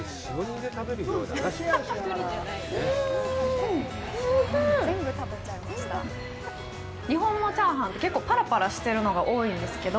うん日本のチャーハンって結構パラパラしてるのが多いんですけど